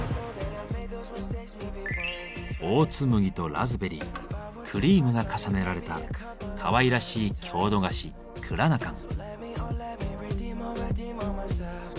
オーツ麦とラズベリークリームが重ねられたかわいらしい郷土菓子「クラナカン」。